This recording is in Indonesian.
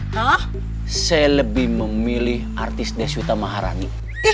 hah saya lebih memilih artis desyuta maharani